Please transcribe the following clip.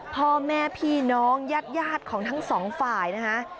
พ่อแม่พี่น้องญาติของทั้งสองฝ่ายนะคะ